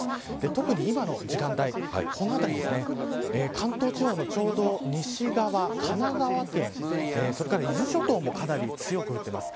特に今の時間帯この辺り関東地方のちょうど西側神奈川県、それから伊豆諸島もかなり強く降っています。